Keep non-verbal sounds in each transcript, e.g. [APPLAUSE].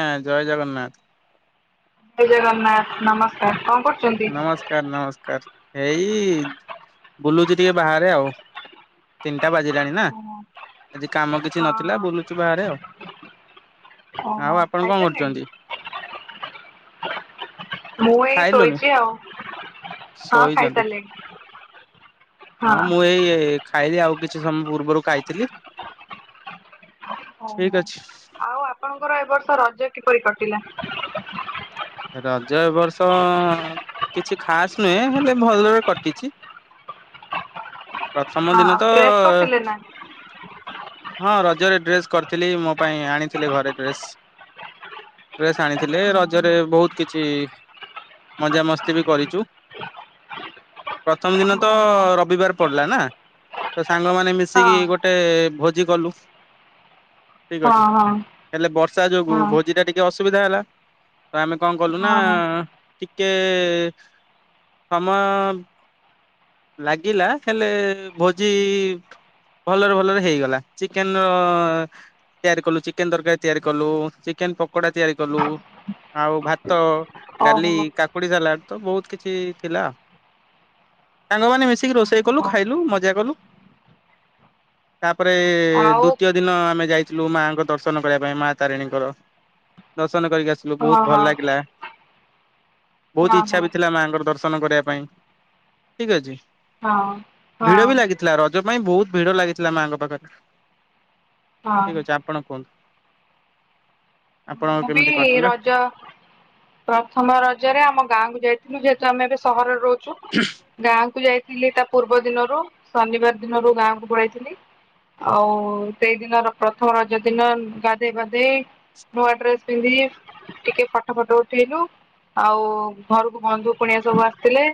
ଆଜ୍ଞା ଜୟ ଜଗନ୍ନାଥ। ଜୟ ଜଗନ୍ନାଥ ନମସ୍କାର କଣ କରୁଛୁ? ନମସ୍କାର ନମସ୍କାର ଏଇ ବୁଲୁଚି ଟିକେ ବାହାରେ ଆଉ। ତିନିଟା ବାଜିଲାଣି ନା ଓହୋ, ଆଜି କାମ ହଁ କିଛି ନଥିଲା ହଁ ବୁଲୁଛୁ ବାହାରେ ଆଉ। ଓ ଆଉ ହୋ ଆପଣ କଣ ଖାଇସାରିଲେନି? କରୁଛନ୍ତି ମୁଁ ଏଇ ଖାଇଲୁଣି? ଶୋଇଛି ଆଉ। ହଁ ଖାଇ ଶୋଇଛନ୍ତି ସାରିଲିଣି ହଁ। ମୁଁ ଏଇ ଖାଇଲି ଆଉ କିଛି ସମୟ ପୂର୍ବରୁ ଖାଇଥିଲି। ଓହୋ। ଠିକ୍ ଅଛି। ଆଉ ଆପଣଙ୍କର ଏ ବର୍ଷ ରଜ କିପରି କଟିଲା? ରଜ ଏ ବର୍ଷ କିଛି ଖାସ୍ ନୁହେଁ ହେଲେ ଭଲରେ କଟିଛି। ହଁ ପ୍ରଥମ ଆଉ ଦିନ ତ ଡ୍ରେସ୍ କରିଥିଲେ ନା? ହଁ ରଜରେ ଡ୍ରେସ୍ କରିଥିଲି ମୋ ପାଇଁ ଆଣିଥିଲି ଘରେ ଡ୍ରେସ୍। ଡ୍ରେସ୍ ଆଣିଥିଲେ ରଜରେ। ବହୁତ୍ କିଛି ମଜାମସ୍ତି ବି କରିଛୁ। ପ୍ରଥମ ଦିନ ତ ଓହୋ ରବିବାର ପଡିଲା ନା ତ ସାଙ୍ଗମାନୋ ହଁ ମିଶିକି ଗୋଟେ ଗୋଟେ ଭୋଜି କଲୁ ଠିକ୍ ହଁ ଅଛି ହଁ ହେଲେ ବର୍ଷା ଯୋଗୁଁ ହଁ। ଭୋଜି ଟା ଟିକେ ଅସୁବିଧା ହେଲା। ତ ଆମେ କଣ କଲୁ ନା ହଁ ହଁ ଟିକେ ସମୟ ଲାଗିଲା ହେଲେ ଭୋଜି ଭଲରେ ଭଲରେ ହେଇଗଲା। ଚିକେନ ଅ ତିଆରି କଲୁ ଚିକେନ ତରକାରୀ ତିଆରି କଲୁ ଚିକେନ ପକୋଡା ତିଆରି କଲୁ। ଆଉ ଭାତ, ଓହୋ ଡାଲି, କାକୁଡି ସାଲାଡ ତ ବହୁତ କିଛି ଥିଲା ଆଉ। ସାଙ୍ଗମାନେ ମିଶିକି ରୋଷେଇ କଲୁ ହୋ ଖାଇଲୁ ମଜା କଲୁ। ତାପରେ ଆଉ ଦ୍ଵିତୀୟ ଦିନ ଆମେ ଯାଇଥିଲୁ ମାଙ୍କ ଦର୍ଶନ କରିବା ପାଇଁ ମା ତାରିଣୀଙ୍କର ଦର୍ଶନ କରିକି ଆସିଲୁ। ହଁ ବହୁତ୍ ହଁ ଭଲ ଲାଗିଲା। ବହୁତ୍ ହଁ ଇଛା ହଁ। ବି ଥିଲା ମାଙ୍କର ଦର୍ଶନ କରିବା ପାଇଁ ଠିକ୍ ଅଛି। ହଁ ହଁ ଭିଡ଼ ବି ଲାଗିଥିଲା ରଜ ପାଇଁ ବହୁତ୍ ଭିଡ଼ ଲାଗିଥିଲା ମା'ଙ୍କ ପାଖରେ। ହଁ ଠିକ୍ ଅଛି ଆପଣ କୁହନ୍ତୁ। ଆପଣଙ୍କ ମୁଁ ବି କେମିତି କଟିଲା ରଜ ପ୍ରଥମ ରଜରେ ଆମ ଗାଁକୁୁ ଯାଇଥିଲୁ ଯେହେତୁ ଆମେ ଏବେ ସହରରେ ରହୁଛୁ। ହଁ ଗାଁକୁ ଯାଇଥିଲି ତା ପୂର୍ବ ଦିନରୁ, ଶନିବାର ଦିନରୁ ଗାଁକୁୁ ପଳେଇଥିଲି। ଆଉ ସେଇ ଦିନର ପ୍ରଥମ ରଜ ଦିନ ଗାଧେଇ ପାଧେଇ ନୂଆ ଡ୍ରେସ ପିନ୍ଧି ଟିକେ ଫଟୋ ଫଟ ଉଠେଇଲୁ ଆଉ ଘରକୁ ବନ୍ଧୁ କୁଣିଆ ସବୁ ଆସିଥିଲେ।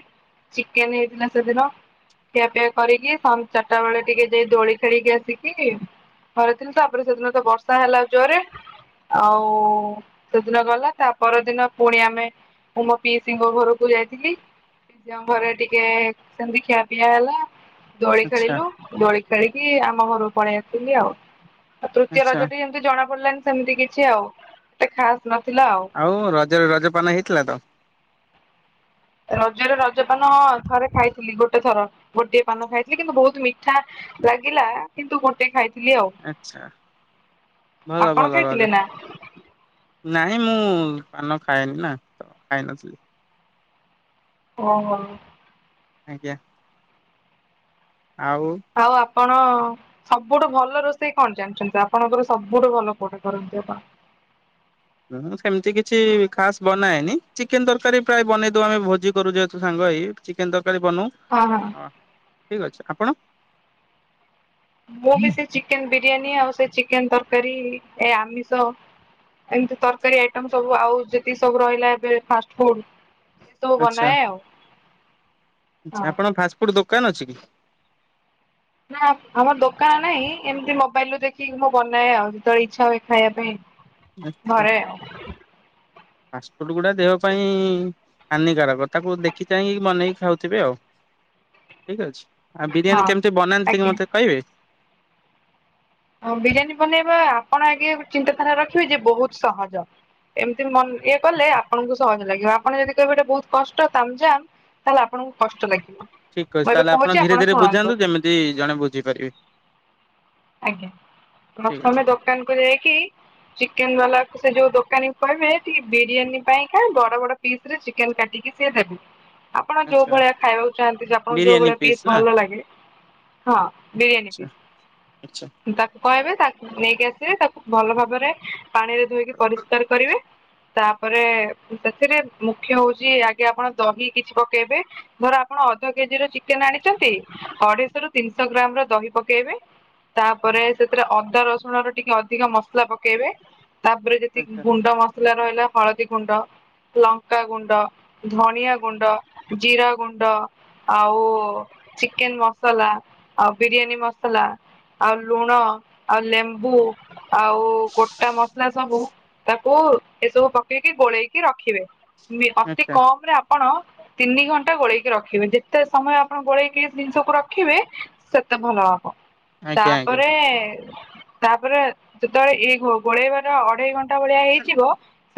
ଚିକେନ ହେଇଥିଲା ସେଦିନ। ଖିଆ ପିଆ କରିକି ସ ଚାରିଟା ବେଳେ ଟିକେ ଯାଇକି ଦୋଳି ଖେଳିକି ଆସିକି ଘରେଥିଲି ତାପରେ ସେଦିନ ତ ବର୍ଷା ହେଲା ଜୋରରେ। ଆଉ ସେଦିନ ଗଲା ତା ପରଦିନ ପୁଣି ଆମେ ମୁଁ ମୋ ପିଇସିଙ୍କ ଘରକୁ ଯାଇଥିଲି। ପିଇସିଙ୍କ ଘରେ ଟିକେ ସେମିତି ଖିଆ ପିଆ ହେଲା। ଦୋଳି ଆଚ୍ଛା ଖେଳିଲୁ ଦୋଳି ଖେଳିକି ଆମ ଘରୁକୁ ପଳେଇ ଆସଥିଲି ଆଉ ଆଉ। ଆଉ ତୃତୀୟ ଆଚ୍ଛା ରଜଟି ଏମିତି ଜଣା ପଡିଲାନି ସେମିତି କିଛି ଆଉ। ଏତେ ଖାସ ନଥିଲା ଆଉ। ଆଉ ରଜରେ ରଜପାନ ହେଇଥିଲା ତ? ରଜରେ ରଜପାନ ଥରେ ଖାଇଥିଲି। ଗୋଟେ ଥର ଗୋଟିଏ ପାନ ଖାଇଥିଲି, କିନ୍ତୁ ବହୁତ ମିଠା ଲାଗିଲା କିନ୍ତୁ ଗୋଟେ ଖାଇ ଥିଲି ଆଉ। ଆଚ୍ଛା ଭଲ ଆପଣ ଭଲ ରଜ ଖାଇଥିଲେ ନା? ନାଇଁ ମୁଁ ପାନ ଖାଏନି ନା ତ ଖାଇନଥିଲି। ଓ ହୋ। ଆଜ୍ଞା। ଆଉ ଆଉ ଆପଣ ସବୁଠୁ ଭଲ ରୋଷେଇ କଣ ଜାଣିଛନ୍ତି ଆପଣଙ୍କର ସବୁଠୁ ଭଲ କୋଟା କରନ୍ତି ଆପଣ? ମୁଁ ସେମିତି କିଛି ଖାସ୍ ବନାଏନି। ଚିକେନ ତରକାରୀ ପ୍ରାୟ ବନେଇ ଦିଏ। ଆମେ ଭୋଜି କରୁ ଯେହେତୁ ସାଙ୍ଗ ହେଇକି। ଚିକେନ ତରକାରୀ ବନଉ। ହଁ ହଁ ହଁ ଠିକ ଅଛି। ଆପଣ? ମୁଁ ବି ସେ ଚିକେନ ବିରିୟାନୀ, ଆଉ ସେ ଚିକେନ ତରକାରୀ, ଏ ଆମିଷ ଏମିତି ତରକାରୀ ଆଇଟମ୍ ସବୁ, ଆଉ ଯେତିକି ସବୁ ରହିଲା ଏବେ ଫାଷ୍ଟ ଫୁଡ ସବୁ ଆଚ୍ଛା ବନାଏ ଆଉ। ହଁ। କୋଉଠି ଦୋକାନ ଅଛି କି? ନା ଆମର ଦୋକାନ ନାହିଁ ଏମିତି ମୋବାଇଲରୁ ଦେଖିକି ମୁଁ ବନାଏ ଆଉ। ଯେତେବେଳେ ଇଚ୍ଛା ହୁଏ ଖାଇବା ପାଇଁ। ଆଚ୍ଛା। ଘରେ ଆଉ ଫାଷ୍ଟଫୁଡ ଗୁଡା ଦେହ ପାଇଁ ହାନିକାରକ। ତାକୁ ଦେଖି ଚାହିଁକି ବନେଇକି ଖାଉଥିବେ ଆଉ। ଠିକ ଅଛି? ଆଉ ହଁ ବିରିୟାନୀ କେମିତି ବନାନ୍ତି ଟିକେ ଆଜ୍ଞା। ମତେ କହିବେ? ହଁ ବିରିୟାନୀ ବନେଇବା ଆପଣ ଆଗେ ଚିନ୍ତାଧାରା ରଖିବେ ଯେ ବହୁତ ସହଜ। ଏମିତି ମ ଏ କଲେ ଆପଣଙ୍କୁ ସହଜ ଲାଗିବ ଆପଣ ଯଦି କହିବେ ଗୋଟେ ବହୁତ କଷ୍ଟ ତାମ୍ଜାମ୍ ତାହେଲେ ଆପଣଙ୍କୁ କଷ୍ଟ ଲାଗିବ। ଠିକ ମୁଁ ଅଛି ଏବେ ତାହେଲେ ଆପଣ କହୁଛି ଧୀରେ ଧୀରେ ଶୁଣନ୍ତୁ ବୁଝାନ୍ତୁ ଯେମିତି ଜଣେ ବୁଝିପାରିବେ। ଆଜ୍ଞା। ଠିକ ଅଛି। ପ୍ରଥମେ ଦୋକାନ କୁ ଯାଇକି ଚିକେନ ବାଲା କ ସେ ଯୋଉ ଦୋକାନୀ କୁ କହିବେ ଟିକେ ବିରିୟାନୀ ପାଇଁ କହି ବଡ ବଡ ପିସ୍ରେ ଚିକେନ୍ କାଟିକି ସିଏ ଦେବେ। ଆପଣ ଯୋଉ ଆଚ୍ଛା ଭଳିଆ ଖାଇବାକୁ ଚାହାଁନ୍ତି ଆପଣଙ୍କୁ ଯୋଉ ବିରିୟାନୀ ଭଳିଆ ପିସ୍ ନା ଭଲ ଲାଗେ ହଁ ବିରିୟାନୀ ଆଚ୍ଛା ପିସ୍। ଆଚ୍ଛା। ତାକୁ କହିବେ ତାକୁ ନେଇକି ଆସିବେ ତାକୁ ଭଲ ଭାବରେ। ପାଣି ରେ ଧୋଇକି ପରିଷ୍କାର କରିବେ ତା ତା ପରେ ସେଥିରେ ମୁଖ୍ୟ ହଉଛି ଆଗେ ଆପଣ ଦହି କିଛି ପକେଇବେ। ଧର ଆପଣ ଅଧ କେଜି ର ଚିକେନ ଆଣିଛନ୍ତି ଅଢେଇଶ ରୁ ତିନିଶହ ଗ୍ରାମ ର ଦହି ପକେଇବେ। ତାପରେ ସେଥିରେ ଅଦା ରସୁଣ ର ଟିକେ ଅଧିକା ମସଲା ପକେଇବେ। ତାପରେ ଯେତିକି ଆଚ୍ଛା ଗୁଣ୍ଡ ମସଲା ରହିଲା ହଳଦୀ ଗୁଣ୍ଡ ଲଙ୍କା ଗୁଣ୍ଡ ଧନିଆ ଗୁଣ୍ଡ ଜିରା ଗୁଣ୍ଡ ଆଉ ଚିକେନ ମସଲା ଆଉ ବିରିୟାନୀ ମସଲା ଆଉ ଲୁଣ ଆଉ ଲେମ୍ବୁ ଆଉ ଗୋଟା ମସ ସବୁ ତାକୁ ଏସବୁ ପକେଇକି ଗୋଳେଇକି ରଖିବେ ଅତି ଆଚ୍ଛା କମ ରେ ଆପଣ ଆପଣ ତିନି ଘଣ୍ଟା ଗୋଳେଇକି ରଖିବେ ଯେତେ ସମୟ ଆପଣ ଗୋଳେଇକି ଜିନିଷକୁ ରଖିବେ ସେତେ ଭଲ ହବ। ଆଜ୍ଞା ଆଜ୍ଞା। ତାପରେ ତାପରେ ଯେତେବେଳେ ଇ ଗୋଳେଇବାର ଅଢେଇ ଘଣ୍ଟା ଟା ଭଳିଆ ହେଇଯିବ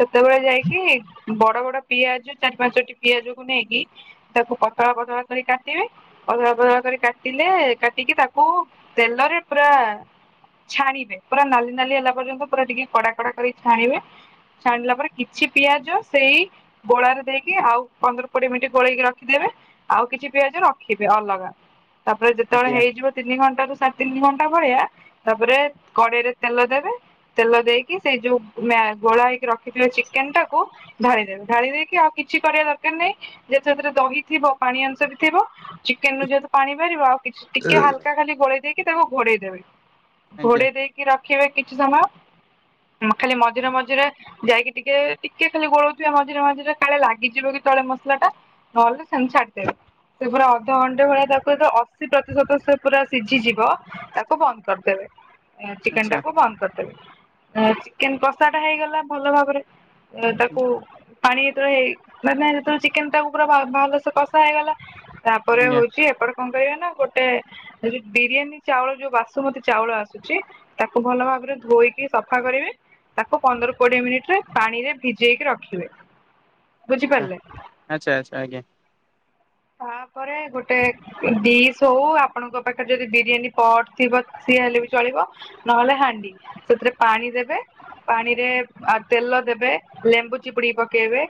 ସେତେବେଳେ ଯାଇକି ବଡ ବଡ ପିଆଜ ଚାରି ପାଞ୍ଚଟି ପିଆଜ କୁ ନେଇକି ତାକୁ ପତଳା ପତଳା କରି କାଟିବେ ପଦଳା ପତଳା କରି କାଟିଲେ କାଟିକି ତାକୁ ତେଲ ରେ ପୁରା ଛାଣିବେ ପୁରା ନାଲି ନାଲି ହେଲା ପର୍ଯ୍ୟନ୍ତ ପୁରା ଟିକେ କଡା କଡା କରି ଛାଣିବେ ଛାଣିଲା ପରେ କିଛି ପିଆଜ ସେଇ ଗୋଳାରେ ଦେଇକି ଆଉ ପନ୍ଦର କୋଡିଏ ମିନିଟ୍ ଗୋଳେଇକି ରଖିଦେବେ। ଆଉ କିଛି ପିଆଜ ରଖିବେ ଅଲଗା ତାପରେ ଯେତେବେଳେ ଆଜ୍ଞା ହେଇଯିବ ତିନି ଘଣ୍ଟାରୁ ସାଢେ ତିନି ଘଣ୍ଟା ଭଳିଆ ତାପରେ କଡେଇରେ ତେଲ ଦେବେ। ତେଲ ଦେଇକି ସେଇ ଯୋଉ ଗୋଳା ହେଇକି ରଖିଥିବା ଚିକେନ ଟାକୁ। ଢାଳି ଦେବେ ଧାଳି ଦେଇକି ଆଉ କିଛି କରିବା ଦରକାର ନାହିଁ ଯଦି ସେଥିରେ ଦହି ଥିବ ପାଣି ଅଂଶ ବି ଥିବ। ଚିକେନ ରୁ ଯେହେତୁ ପାଣି ବାହାରିବ ଆଉ କିଛି ଟିକେ ହାଲକା ଖାଲି ଗୋଳେଇ ଦେଇକି ତାକୁ ଘୋଡ଼େଇ ଦେବେି ଆଜ୍ଞା ଘୋଡେଇ ଦେଇକି ରଖିବେ କିଛି ସମୟ ଖାଲି ମଝିରେ ମଝିରେ ଯାଇକି ଟିକେ ଟିକେ ଖାଲି ଗୋଳଉଥିବେ ମଝିରେ ମଝିରେ କାଳେ ଲାଗିଯିବ କି ତଳେ ମସଲା ଟା ନ ହେଲେ ସେମିତି ଛାଡ଼ିଦେବେ। ସେ ପୁରା ଅଧଘ ଘଣ୍ଟେ ଭଳିଆ ତାକୁ ଅଶୀ ପ୍ରତିଶତ ସେ ପୁରା ସିଝିଯିବ ତାକୁ ବନ୍ଦ କରିଦେବେ ଚିକେନ ଆଚ୍ଛା ଟାକୁ ବନ୍ଦ କରିଦେବେ ଏ ଚିକେନ କଷା ଟା ହେଇଗଲା ଭଲ ଭାବରେ ତାକୁ ପାଣିରେ ଇ ମାନେ ଯେେବେଳେ ଚିକେନ ଟାକୁ ପା ଭଲ ସେେ କଷା ହେଇଗଲା ତାପରେ ଆଜ୍ଞା ହଉଛି ଏପଟ କଣ କରିବେନା ଗୋଟେ ବିରିୟାନୀ ଚାଉଳ ଯୋଉ ବାସୁମତୀ ଚାଉଳ ଆସୁଛି ତାକୁ ଭଲ ଭାବରେ ଧୋଇକି ସଫା କରିବେ ଟି ତାକୁ ପନ୍ଦର କୋଡିଏ ମିନିଟରେ ପାଣିରେ ଭିଜେଇକି ରଖିବେ ବୁଝିପାରିଲେ। ଆଛା ଆଛା ଆଜ୍ଞା। ତାପରେ ଗୋଟେ ଦିଶ ହଉ ଆପଣଙ୍କ ପାଖରେ ଯଦି ବିରିୟାନୀ ପଟ ଥିବ ସିଏ ହେଲେ ବି ଚଳିବ। ନହେଲେ ହାଣ୍ଡି ସେଥିରେ ପାଣି ଦେବେ। ପାଣିରେ ଆ ତେଲ ଦେବେ ଲେମ୍ବୁ ଚିପୁଡିକି ପକେଇବେ।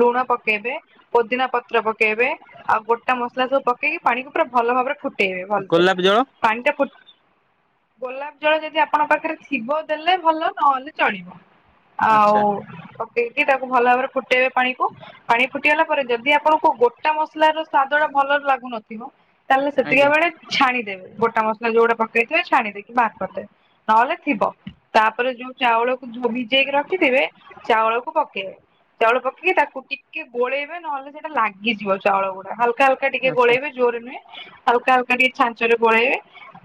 ଲୁଣ ପକେଇବେ ପୋଦିନା ପତ୍ର ପକେଇବେ। ଆଉ ଗୋଟା ମସଲା ସବୁ ପକେଇକି ପାଣିକୁ ପୁରା ଭଲ ଭାବରେ ଫୁଟେଇବେ ଭଲସେ ଗୋଲାପ ଜଳ ପାଣି ଟାଫୁ ଗୋଲାପ ଜଳ ଯଦି ଆପଣଙ୍କ ପାଖେରେ ଥିବ ଦେଲେ ଭଲ ନହେଲେ ଚଳିବ। ଆଉ ଆଚ୍ଛା ତାକୁ ଭଲ ଭାବରେ ଫୁଟେଇବେ ପାଣିକୁ ପାଣି ଫୁଟିଗଲା ପରେ ଯଦି ଆପଣଙ୍କୁ ଗୋଟା ମସ ମସଲା ର ସ୍ଵାଦ ଟା ଭଲରେ ଲାଗୁନଥିବ ତାଲେ ସେତିକ ଆଜ୍ଞା ବେଳେ ଛାଣିଦେବେ ଗୋଟା ମସଲା ଯୋଉଡ଼ା ପକେଇଥିବେ ଛାଣି ଦେଇକି ବା କରିଦେବେ। ନହେଲେ ଥିବ ତାପରେ ଯୋଉ ଚାଉଳକୁ ଭିଜେଇକି ରଖିଥିବେ ଚାଉଳକୁ ପକେଇବେ ଚାଉଳ ପକେଇକି ତାକୁ ଟିକେ ଗୋଳେଇବେ ନହେଲେ ସେଟା ଲାଗେ ଭିଯିବ ଚାଉଳ ଗୁଡା ହାଲକା ହାଲକା ଟିକେ ଆଚ୍ଛା ଗୋଳେଇବେ ଜୋରେ ନୁହେଁ ହାଲକା ହାଲକା ଟିକେ ଛାଞ୍ଚରେ ଗୋଳେଇବେ।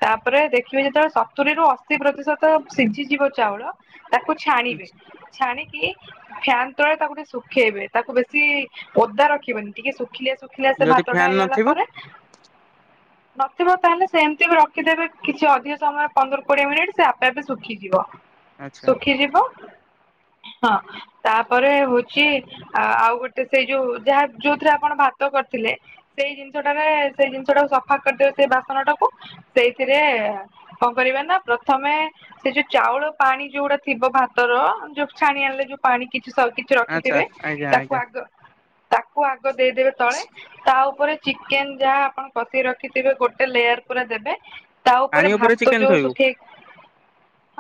ତାପରେ ଦେଖିବେ ଯେତେବେଳେ ସତୁରି ରୁ ଅଶୀ ପ୍ରତିଶତ ସିଝିଯିବ ଚାଉଳ। ତାକୁ ଛାଣିବେ। ଛାଣିକି ଫ୍ୟାାନ ତଳେ ତାକୁ ଟିକେ ଶୁଖେଇବେ ତାକୁ ବେଶୀ ଓଦା ରଖିବେନି ଟିକେସୁ ଶୁଖିଲିଆ ଶୁଖିଲିଆ ସେ ଯଦି ଭାତ ଟା ଫ୍ୟାନ ହେଇଗଲା ନଥିବ? ପରେ ନଥିବ ତାଲେ ସେମିତି ବି ରଖିଦେବେ କିଛି ଅଧିକ ସମୟ ପନ୍ଦର କୋଡିଏ ମିନିଟ୍ ସେଆପେ [UNINTELLIGIBLE] ଶୁଖିଯିବ ଆଚ୍ଛା ଶୁଖିଯିବ ହଁ ତାପରେ ହୋଉଚି ଆଉ ଗୋଟେ ସେଇ ଯୋଉ ଯାହା ଯୋଉଥିରେ ଆପଣ ଭାତ କରିଥିଲେ ସେଇ ଜିନିଷଟାରେ ସେଇ ଜିନିଷ ଟାକୁ ସଫା କରିଦେବେ ସେଇ ବାସନ ଟାକୁ ସେଇଥିରେ କଣ କରିବେ ନା ପ୍ରଥମେ ସେ ଯୋଉ ଚାଉଳ ପାଣି ଯୋଉଡା ଥିବ ଭାତର ଯୋଉ ଛାଣି ଆଣିଲେ ଯୋଉ ପାଣି କିଛି ସବୁ କିଛି ଆଚ୍ଛା ରଖିଥିବେ ଆଜ୍ଞା ତାକୁ ଆଜ୍ଞା ଆଗ କୁ ଆଗ ଦେଇଦେବେ ତଳେ ତା ଉପରେ ଚିକେନ ଯାହା ଆପଣ କଶି ରଖିଥିବେ ଗୋଟେ ଲେୟାର ପୁରା ଦେବେ। ତା ଉପରେ ପାଣି ଭାତ ଚିକେନ ଯୋଉ ଥୋଇବୁ ଶୁଖେଇ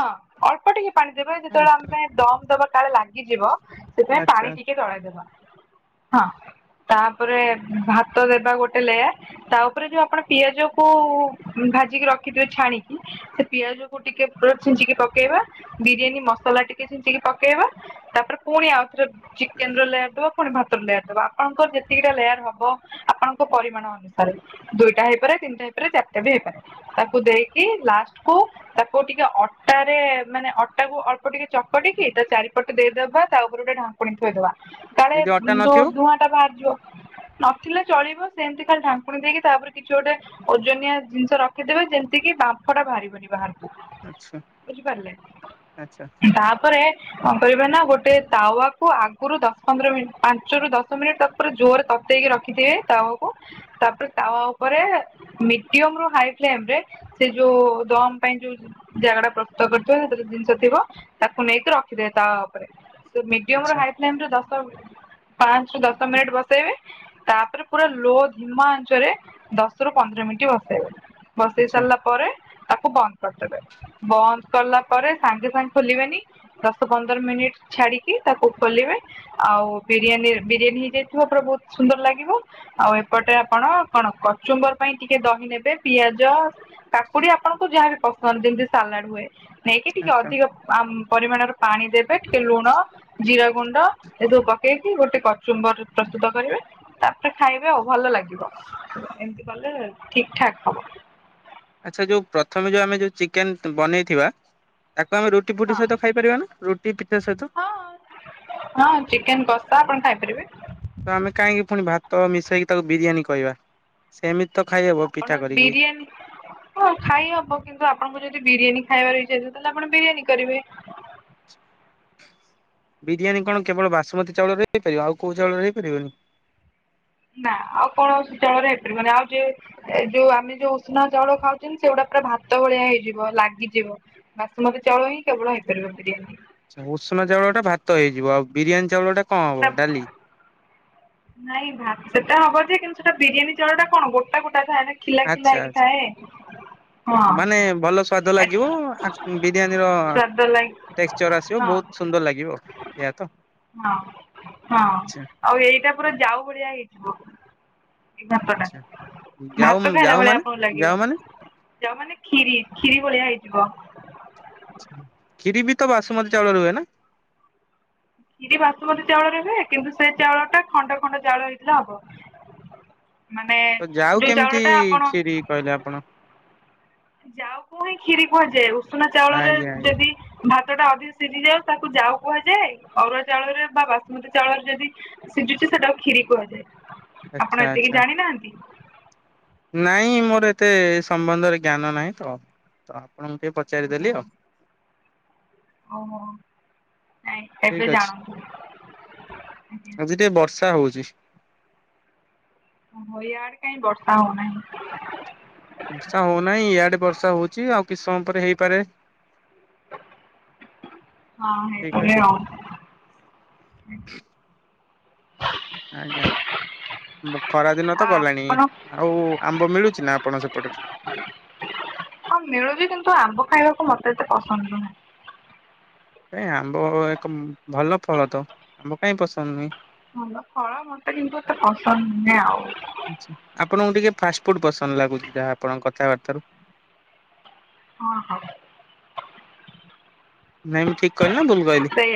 ହଁ ଅଳ୍ପ ଟିକେ ପାଣି ଦେବେ ଯେତେବେଳେ ଆମ ଆଚ୍ଛା ପାଇଁ ଦମ ଦବା କାଳେ ଲାଗିଯିବ। ସେଥିପାଇଁ ଆଚ୍ଛା ପାଣି ଟିକେ ତଳେଦେବା। ହଁ ତାପରେ ଭାତ ଦେବା ଗୋଟେ ଲେୟାର। ତା ଉପରେ ଯୋଉ ଆପଣ ପିଆଜ କ ଭାଜିକି ରଖିଥିବେ ଛାଣିକି ସେ ପିଆଜକୁ ଟିକେଭଲ ଛିଞ୍ଚିକି ପକେଇବା ବିରିୟାନୀ ମସଲା ଟିକେ ଛିଞ୍ଚିକି ପକେଇବା ତାପରେ ପୁଣି ଆଉଥରେ ଚିକେନ ର ଲେୟାରଦବା ପୁଣି ଭାତ ଲେୟାର ଦବା ଆପଣଙ୍କର ଯେତିକିଟା ଲେୟାର ହବ ଆପଣଙ୍କ ପରିମାଣ ଅନୁସାରେ ଦୁଇଟା ହେଇପାରେ ତିନିଟା ହେଇପାରେ ଚାରିଟା ବି ହେଇପାରେ ତାକୁ ଦେଇକି ଲାଷ୍ଟକୁ ତାକୁ ଟିକେ ଅଟାରେ ମାନେ ଅଟା କୁ ଅଳ୍ପ ଟିକେ ଚକଟିକି ତା ଚାରିପଟେ ଦେଇଦବା ତା ଉପରେ ଗୋଟେ ଢା [UNINTELLIGIBLE] ଥୋଇଦବା। କାଳେ [UNINTELLIGIBLE] ଯୋଉ ଧୂଆଁ ଟା ବାହାରିଯିବ ନଥିଲେ ଚଳିବ ସେମିତି ଖାଲି ଢାଙ୍କୁଣି ଦେଇକି ତାପରେ କିଛି ଗୋଟେ ଓଜନିଆ ଜିନିଷ ରଖିଦେବେ ଯେମିତି କିି ବାମ୍ଫ ଟା ବାହାରିିବନି ବାହାରକୁ। ଆଚ୍ଛା ବୁଝିପାରିଲେ ଆଚ୍ଛା ତାପରେ କଣ କରିବେ ନା ଗୋଟେ ତାୱା କୁ ଆଗୁରୁ ଦଶ ପନ୍ଦର ମିନିଟ୍ ପାଞ୍ଚରୁ ଦଶ ମିନିଟ୍ ତାପରେ ଜୋରେ ତତେଇକି ରଖିଥିବେ ତାୱାକୁ। ତାପରେ ତାୱା ଉପରେ ମିଡିୟମ ରୁ ହାଇ ଫ୍ଲେମରେ ସେ ଯୋଉ ଦମ ପାଇଁ ଯୋଉ ଜାଗା ଟା ପ୍ରସ୍ତୁତ କରିଥିବେ ସେଥିରେ ଜିନିଷ ଥିବ ତାକୁ ନେଇକି ରଖି ଦେବେ ତା ଉପରେ ମିଡିୟମରୁୁ ଆଚ୍ଛା ହାଇ ଫ୍ଲେମ ରେ ଦଶ ପାଞ୍ଚରୁ ଦଶ ମିନିଟ ବସେଇବେ। ତାପରେ ପୁରା ଲୋ ଧିମା ଆଞ୍ଚରେ ଦଶ ରୁ ପନ୍ଦର ମିନିଟ ବସେଇବେ। ବସେଇ ଆଚ୍ଛା ସାରିଲା ପରେ ତାକୁ ବନ୍ଦ କର୍ ଦେବେ ବନ୍ଦ କଲା ପରେ ସାଙ୍ଗେ ସାଙ୍ଗେ ଖୋଲିବେନି ଦଶ ପନ୍ଦର ମିନିଟ୍ ଛାଡ଼ିକି ତାକୁ ଖୋଲିବେ ଆଉ ବିରିୟାନୀ ବିରିୟାନୀ ହେଇଯାଇଥିବ ପୁରା ବହୁତ୍ ସୁନ୍ଦର ଲାଗିବ ଆଉ ଏପଟେ ଆପଣ କଣ କଚୁମ୍ବର୍ ପାଇଁ ଟିକେ ଦହି ନେବେ ପିଆଜ କାକୁଡି ଆପଣଙ୍କୁ ଯାହା ବି ପସନ୍ଦ ଯେମ୍ ତି ସାଲାଡ ହୁଏ। ନେଇକି ଟିକେ ଆଚ୍ଛା ଅଧିକ ଆମ୍ ପରିମାଣର ପାଣି ଦେବେ ଟିକେ ଲୁଣ ଜିରା ଗୁଣ୍ଡ ଏସବୁ କ ରିକି ଗୋଟେ କଚୁମ୍ବର୍ ପ୍ରସ୍ତୁତ କରିବେ ତାପରେ ଖାଇବେ ଆଉ ଭଲ ଲାଗିବ। ଏମିତି କଲେ ଠିକ୍ ଠାକ୍ ହବ। ଆଚ୍ଛା ଯୋଉ ପ୍ରଥମେ ଯୋଉ ଆମେ ଯୋଉ ଚିକେନ୍ ବନେଇଥିବା ତାକୁ ଆମେ ରୁ ଟି ଫୁଟି ସହିତ ଖାଇପାରିବା ନା ରୁଟି ପିତା ସହିତ? ହଁ ହଁ ଚିକେନ୍ କଷା ଆପଣ ଖାଇପାରିବେ। ତ ଆମେ କାଇଁକି ପୁଣି ଭାତ ମିଶେଇକି ତାକୁ ବିରିୟାନୀ କହିବା ସେମିତି ତ ଖାଇହବ। ପିଠା ଅଣ କରିକି ବିରିୟାନୀ ହଁ ଖାଇ ହବ କିନ୍ତୁ ଆପଣଙ୍କୁ ଯଦି ବିରିୟାନୀ ଖାଇବାର ଇଛା ଅଛି ତାହେଲେ ଆପଣ ବିରିୟାନୀ କରିବେ। ବିରିୟାନୀ କଣ କେବଳ ବାସୁମତୀ ଚାଉଳରେ ହେଇପାରିବ ଆଉ କୋଉ ଚାଉଳରେ ହେଇପାରିବନି? ନା ଆଉ କୌଣସି ଚାଉଳରେ ହେଇପାରିବନି ଆଉ ଯେ ଏଯୋଉ ଆମେ ଯୋଉ ଉଷୁନା ଚାଉଳ ଖାଉଚନ୍ ସେଗୁଡାକ ପୁରା ଭାତ ଭଳିଆ ହେଇଯିବ ଲାଗିଯିବ। ବାସୁମତି ଚାଉଳ ହିଁ କେବଳ ହେଇପାରିବ ବିରିୟାନୀ। ଉଷୁନା ଚାଉଳ ଟା ଭାତ ହେଇଯିବ ଆଉ ବିରିୟାନୀ ଚାଉଳ ଟା କଁ ପୁରା ହବ ଡାଲି? ନାଇଁ ଭାତ ଟା ହବ ଯେ କିନ୍ତୁ ସେଟା ବିରିୟାନୀ ଚାଉଳ ଟା କଣ ଗୋଟା ଗୋଟା ଥାଏ ଖିଲା ଖିଲା ଆଚ୍ଛା ଆଚ୍ଛା ହେଇକିଥାଏ। ମାନେ ଭଲ ସ୍ଵାଦ ଲାଗିବ ଆସ୍ ବିରିୟାନୀର ସ୍ୱାଦ ଲାଗି ଟେକ୍ସଚର୍ ଆସିବ ହଁ ବହୁତ୍ ସୁନ୍ଦର ଲାଗିବ ଏୟା ତ? ହଁ ହଁ ଆଛା ଆଉ ଏଇଟା ପୁରା ଯାଉ ଭଳିିଆ ହେଇଯିବ। ଏ ଭାତଟା ଆଛା ଯାଉ ଭାତ ଖାଇଲା ଯାଉ ଭଳିଆ ମାନେ ଆପଣଙ୍କୁ ଲାଗିବ। ଯାଉ ମାନେ ଯାଉ ମାନେ କ୍ଷୀରି କ୍ଷୀରି ଭଳିଆ ହେଇଯିବ। କ୍ଷୀରି ବି ତ ବାସୁମତୀ ଚାଉଳ ହୁଏ ନା? କ୍ଷୀରି ବାସୁମତୀ ଚାଉଳ ହୁଏ କିନ୍ତୁ ସେ ଚାଉଳ ଟା ଖଣ୍ଡ ଖଣ୍ଡ ଚାଉଳ ହେଇଥିଲେ ହବ। ମାନେ ତ ଯାଉ ଯୋଉ କେମ୍ ତି ଚାଉଳଟା ଆପଣ କ୍ଷୀରି କହିଲେ ଆପଣ? ଯାଉ କୁ ହିଁ କ୍ଷୀରି କୁହାଯାଏ ଉଷୁନା ଚାଉଳରେ ଆଜ୍ଞା ଆଜ୍ଞା ଯଦି ଭାତ ଟା ଅଧିକ ସିଝିଯାଉ ତାକୁ ଯାଉ କୁହାଯାଏ ଅରୁଆ ଚାଉଳରେ ବା ବାସୁମତୀ ଚାଉଳରେ ଯଦି ସିଜୁଚି ତ ତକୁ କ୍ଷୀରି କୁହାଯାଏ ଆଚ୍ଛା ଆପଣ ଏତିକି ଆଚ୍ଛା ଜାଣି ନାହାଁନ୍ତି? ନାଇଁ ମୋର ଏତେ ସମ୍ବନ୍ଧରେ ଜ୍ଞାନ ନାହିଁ ତ ଆପଣଙ୍କୁ ଟିକେ ଓହୋ ପଚାରିଦେଲି ଆଉ। ଓହୋ ନାଇଁ ଏବେ ଠିକ ଅଛି ଜାଣନ୍ତୁ [INAUDIBLE] ଆଜ୍ଞା। ଆଜି ଟିକେ ବର୍ଷା ହଉଚି। ଓହୋ ଇୟାଡେ କାଇଁ ବର୍ଷା ହଉନାହିଁ। ବର୍ଷା ହଉନାହିଁ ଇଆଡେ ବର୍ଷା ହଉଚି ଆଉ କିସ୍ ସମୟ ପରେ ହେଇପାରେ। ହଁ ଠିକ ହେଇପାରେ ଅଛି ଆଉ। ଆଜ୍ଞା ଖରା ଦିନ ତ ଆଉ ଗଲାଣି ଆପଣ ଆଉ ଆମ୍ବ ମିଳୁଚି ନା ଆପଣ ସେପଟରେ? ହଁ ମିଳୁଚି କିନ୍ତୁ ଆମ୍ବ ଖାଇବାକୁ ମତେ ଏତେ ପସନ୍ଦ ନୁହେଁ। କାଇଁ ଆମ୍ବ ଏକ ଭଲ ଫଳ ତ ଆମ୍ବ କାଇଁ ପସନ୍ଦ ନୁହେଁ? ଭଲ ଫଳ ମତେ କିନ୍ତୁ ଏତେ ପସନ୍ଦ ନୁହେଁ ଆଉ। ଆଚ୍ଛା ଆପଣଙ୍କୁ ଟିକେ ଫାଷ୍ଟଫୁଡ଼୍ ପସନ୍ଦ ଲାଗୁଚି ଯାହା ଆପଣଙ୍କ କଥାବାର୍ତ୍ତା ରୁ। ହଁ ହଁ। ନାଇଁ ମୁଁ ଠିକ୍ କହିଲି ନା ଭୁଲ୍ କହିଲି? ସେଇଆ।